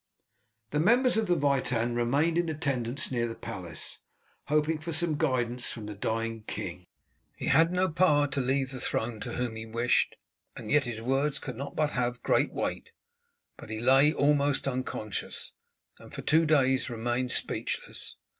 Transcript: The members of the Witan remained in attendance near the palace, hoping for some guidance from the dying king. He had no power to leave the throne to whom he wished, and yet his words could not but have great weight; but he lay almost unconscious, and for two days remained speechless.